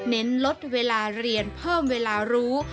ลดเวลาเรียนเพิ่มเวลารู้